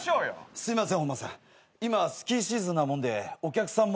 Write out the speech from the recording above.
すいません。